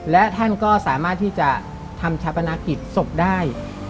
และท่านก็สามารถที่จะทำชาปนากิจศพได้